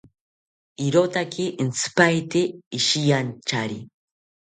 Irotaki intzipaete ishiyanchari